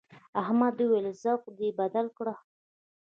احمد وويل: ذوق دې بدل کړه.